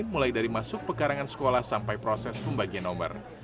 mulai dari masuk pekarangan sekolah sampai proses pembagian nomor